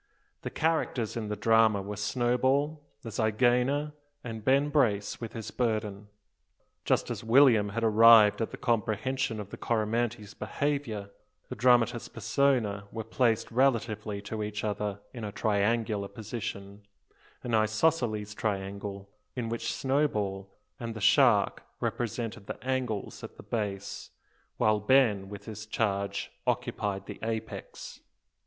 The characters in the drama were Snowball, the zygaena, and Ben Brace with his burden. Just as William had arrived at the comprehension of the Coromantee's behaviour, the dramatis persona were placed relatively to each other in a triangular position, an isosceles triangle, in which Snowball and the shark represented the angles at the base, while Ben with his charge occupied the apex.